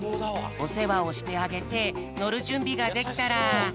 おせわをしてあげてのるじゅんびができたら。